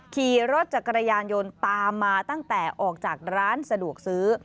ขี่รถจักรยานยนต์ตามมาตั้งแต่ออกจากร้านสะดวกซื้อ